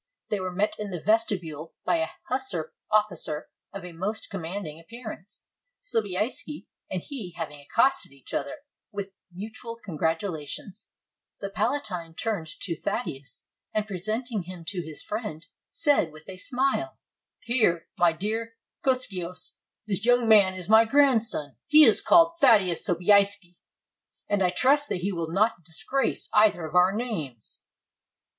They were met in the vestibule by a hussar officer of a most commanding appearance. Sobieski and he having accosted each other with mutual congratulations, the palatine turned to Thaddeus, and presenting him to his friend, said with a smile: — "Here, my dear Kosciusko, this young man is my grandson; he is called Thaddeus Sobieski, and I trust that he will not disgrace either of our names!"